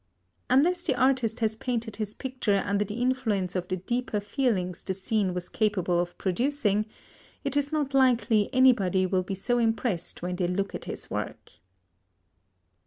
Unless the artist has painted his picture under the influence of the deeper feelings the scene was capable of producing, it is not likely anybody will be so impressed when they look at his work.